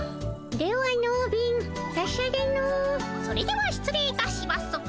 それではしつれいいたします。